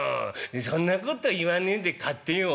「そんなこと言わねえで買ってよ」。